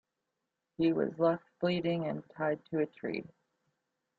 He was left bleeding and tied to a tree.